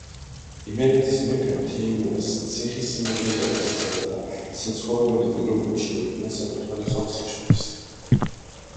იმერეთის მეფემ თეიმურაზს ციხე-სიმაგრე გადასცა, რათა საცხოვრებელი პირობები შეექმნა საკუთარი ხალხისთვის.